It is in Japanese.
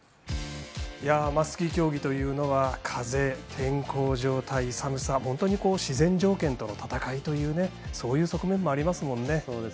スキー競技というのは風、天候状態、寒さ本当に自然条件との戦いというそういう側面もありますもんね。